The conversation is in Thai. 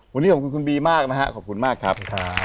วันนี้ขอบคุณคุณบีมากนะฮะขอบคุณมากครับ